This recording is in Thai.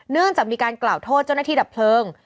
เนื่องจากมีการกล่าวโทษเจ้าหน้าที่ดับเพลิง